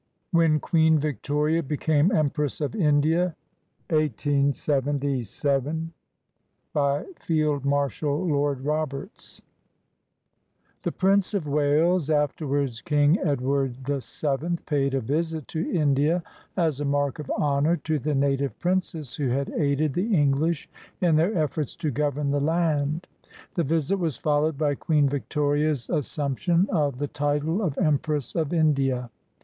WHEN QUEEN VICTORIA BECAME EMPRESS OF INDIA BY FIELD MARSHAL LORD ROBERTS [The Prince of Wales, afterwards King Edward VII, paid a visit to India as a mark of honor to the native princes who had aided the English in their efiforts to govern the land. This visit was followed by Queen Victoria's assumption of the title of Empress of India.